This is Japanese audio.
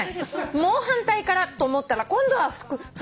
「もう反対からと思ったら今度はふくらはぎが」